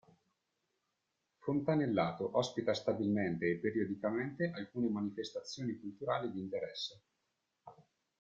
Fontanellato ospita stabilmente e periodicamente alcune manifestazioni culturali di interesse.